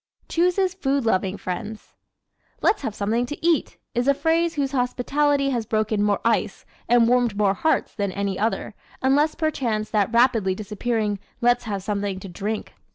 Chooses Food Loving Friends ¶ "Let's have something to eat" is a phrase whose hospitality has broken more ice and warmed more hearts than any other, unless perchance that rapidly disappearing "let's have something to drink."